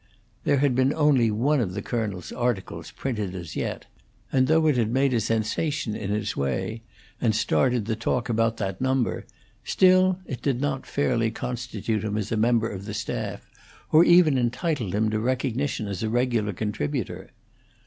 There had been only one of the colonel's articles printed as yet, and though it had made a sensation in its way, and started the talk about that number, still it did not fairly constitute him a member of the staff, or even entitle him to recognition as a regular contributor.